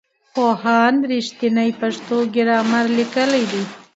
پوهاند رښتین پښتو ګرامر لیکلی دی.